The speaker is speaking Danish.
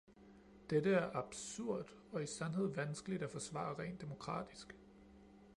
Dette er absurd og i sandhed vanskeligt at forsvare rent demokratisk.